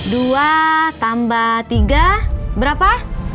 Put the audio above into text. dua tambah tiga berapa